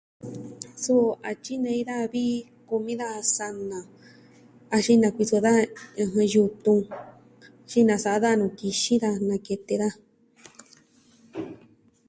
Suu a tyinei daja vi kumi daja sana axin nakuiso daja, ɨjɨn, yutun, tyi nasa'a da nuu kixin daja nakete daja.